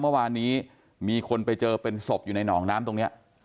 เมื่อวานนี้มีคนไปเจอเป็นศพอยู่ในหนองน้ำตรงนี้